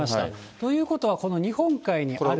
ということは、この日本海にある。